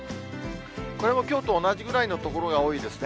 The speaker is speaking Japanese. これもきょうと同じぐらいの所が多いですね。